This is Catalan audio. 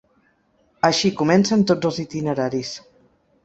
Així comencen tots els itineraris.